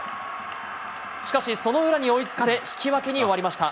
しかしその裏に追いつかれ、引き分けに終わりました。